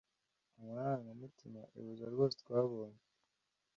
amarangamutima ihuza ryose twabonye